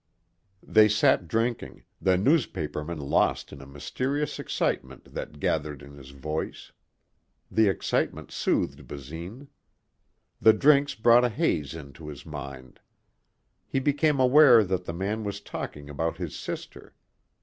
They sat drinking, the newspaperman lost in a mysterious excitement that gathered in his voice. The excitement soothed Basine. The drinks brought a haze into his mind. He became aware that the man was talking about his sister.